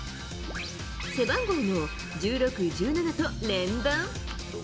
背番号も１６、１７と、連番。